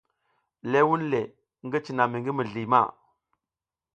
Le vunle ngi cina mi ngi mizli ma.